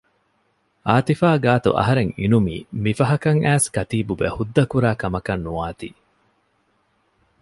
އާތިފާ ގާތު އަހަރެން އިނުމީ މި ފަހަކަށް އައިސް ކަތީބުބެ ހުއްދަކުރާ ކަމަކަށް ނުވާތީ